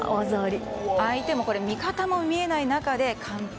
相手も味方も見えない中で完璧。